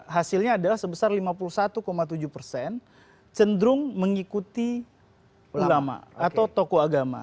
hasilnya adalah sebesar lima puluh satu tujuh persen cenderung mengikuti ulama atau tokoh agama